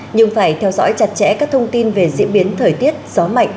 nhưng phải theo dõi chặt chẽ các thông tin về diễn biến thời tiết gió mạnh